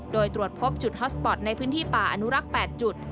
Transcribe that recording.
โดยตรวจพบจุดฮอสปอร์ตในพื้นที่ป่าอนุรักษ์๘จุด